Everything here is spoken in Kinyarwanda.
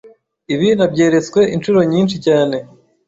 Ibi nabyeretswe incuro nyinshi cyane.